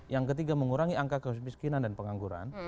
yang ketiga mengurangi angka kemiskinan dan pengangguran